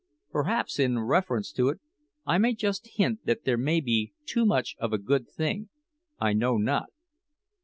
Perhaps, in reference to it, I may just hint that there may be too much of a good thing I know not.